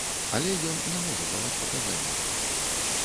Але ён не можа даваць паказанні.